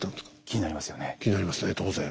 気になりますね当然。